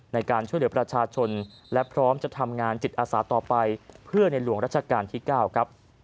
ในการช่วยเหลือประชาชนและพร้อมจะทำงานจิตอาสาต่อไปเพื่อในหลวงรัชกาลที่๙ครับ